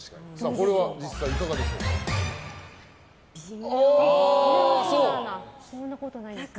これは実際いかがでしょうか。